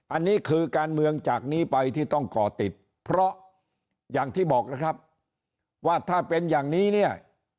อันนี้คือการเมืองจากนี้ไปที่ต้องก่อติดเพราะอย่างที่บอกนะครับว่าถ้าเป็นอย่างนี้เนี่ย